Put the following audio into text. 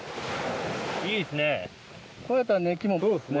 いいですね。